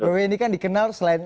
bw ini kan dikenal selain